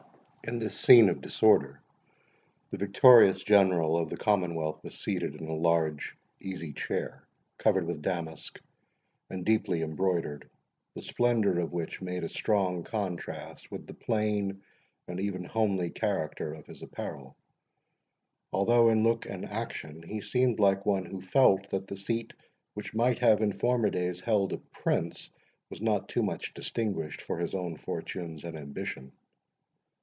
In this scene of disorder, the victorious General of the Commonwealth was seated in a large easy chair, covered with damask, and deeply embroidered, the splendour of which made a strong contrast with the plain, and even homely character of his apparel; although in look and action he seemed like one who felt that the seat which might have in former days held a prince, was not too much distinguished for his own fortunes and ambition.